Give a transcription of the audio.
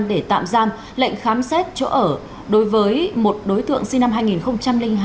để tạm giam lệnh khám xét chỗ ở đối với một đối tượng sinh năm hai nghìn hai